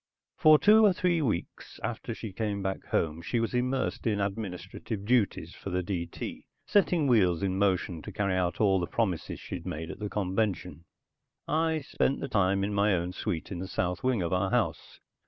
For two or three weeks after she came back home, she was immersed in administrative duties for the D.T., setting wheels in motion to carry out all the promises she'd made at the convention. I spent the time in my own suite in the south wing of our house.